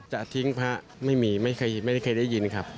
จะทิ้งพระไม่มีไม่เคยได้ยินครับ